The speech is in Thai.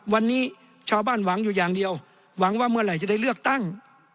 วันนี้ชาวบ้านหวังอยู่อย่างเดียวหวังว่าเมื่อไหร่จะได้เลือกตั้ง